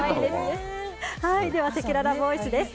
では、せきららボイスです。